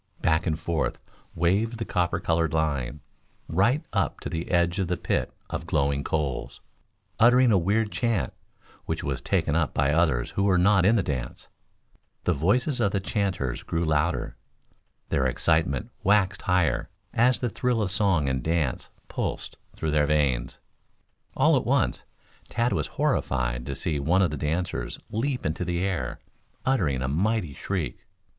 Back and forth waved the copper colored line, right up to the edge of the pit of glowing coals, uttering a weird chant, which was taken up by others who were not in the dance. The voices of the chanters grew louder, their excitement waxed higher, as the thrill of song and dance pulsed through their veins. All at once, Tad was horrified to see one of the dancers leap into the air, uttering a mighty shriek.